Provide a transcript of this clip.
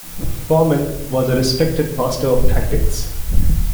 Foreman was a respected master of tactics.